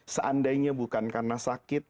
seandainya bukan karena sakit